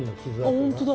本当だ！